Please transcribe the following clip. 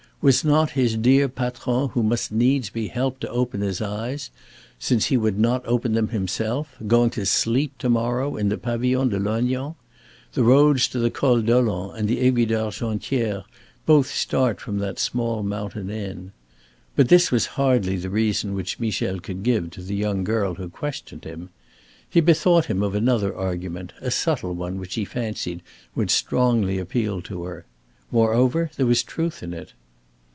Was not his dear patron who must needs be helped to open his eyes, since he would not open them himself, going to sleep to morrow in the Pavillon de Lognan? The roads to the Col Dolent and the Aiguille d'Argentière both start from that small mountain inn. But this was hardly the reason which Michel could give to the young girl who questioned him. He bethought him of another argument, a subtle one which he fancied would strongly appeal to her. Moreover, there was truth in it.